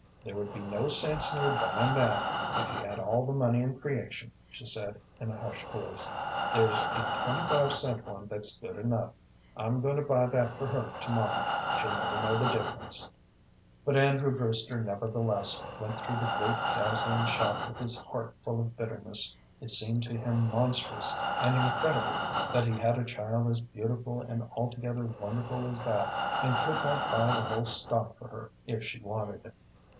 "There would be no sense in your buying that, if you had all the money in creation," she said, in a hushed voice. "There's a twenty five cent one that's good enough. I'm going to buy that for her to morrow. She'll never know the difference." But Andrew Brewster, nevertheless, went through the great, dazzling shop with his heart full of bitterness. It seemed to him monstrous and incredible that he had a child as beautiful and altogether wonderful as that, and could not buy the whole stock for her if she wanted it.